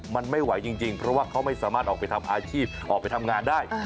มันไม่ไหวจริงเพราะว่าเขาไม่สามารถออกไปทำอาชีพออกไปทำงานได้